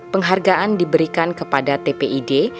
penghargaan diberikan kepada tpid